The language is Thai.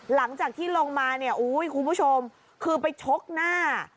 หลังจากที่ลงมาเนี่ยอุ้ยคุณผู้ชมคือไปชกหน้า